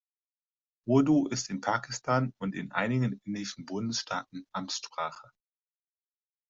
Urdu ist in Pakistan und einigen indischen Bundesstaaten Amtssprache.